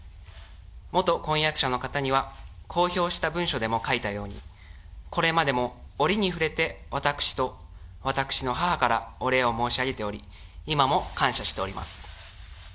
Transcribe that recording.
元婚約者の方には、公表した文書でも書いたように、これまでも折に触れて私と私の母からお礼を申し上げており、今も感謝しております。